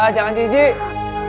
sudah jangan jijik